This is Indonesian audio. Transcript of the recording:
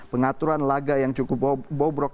pengaturan laga yang cukup bobrok